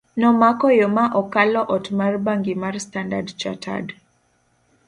nomako yo ma okalo ot mar bangi mar Standard Chartered